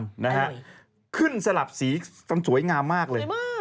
เกาะอายัมขึ้นสลับสีสวยงามมากเลย